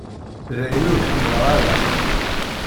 Dayen ur k-ḥemmleɣ ara.